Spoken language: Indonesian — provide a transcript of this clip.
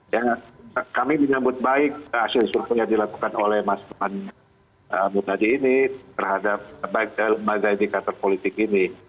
yang kami menyebut baik hasil survei yang dilakukan oleh mas anudin murtadi ini terhadap lembaga indikator politik ini